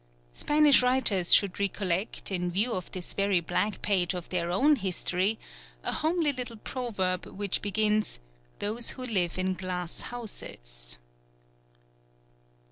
Spanish writers should recollect, in view of this very black page of their own history, a homely little proverb which begins "those who live in glass houses."